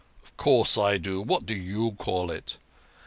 " Of course I do. What do you call it?